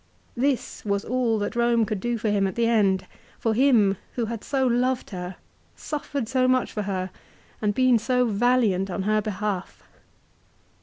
This was all that Rome could do for him at the end, for him who had so loved her, suffered so much for her, and been so valiant on her behalf